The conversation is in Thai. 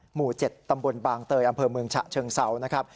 หมู่๗ตำบลบางเตยอำเภอเมืองฉะเชิงเซานะครับ